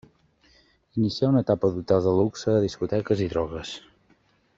Inicià una etapa d'hotels de luxe, discoteques i drogues.